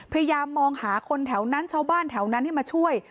พยายามมองหาคนแถวนั้นชาวบ้านแถวนั้นให้มาช่วย